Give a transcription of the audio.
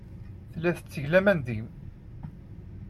Tella tetteg laman deg-m.